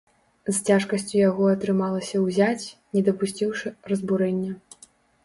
З цяжкасцю яго атрымалася ўзяць, не дапусціўшы разбурэння.